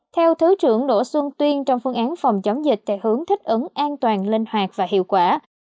theo thứ trưởng đỗ xuân tuyên trong phương án phòng chống dịch theo hướng thích ứng an toàn linh hoạt và hiệu quả